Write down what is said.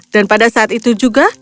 dan pada saat itu juga